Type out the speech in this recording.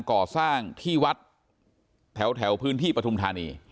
ก่อสร้างที่วัดแถวพื้นที่ปฐุมธานี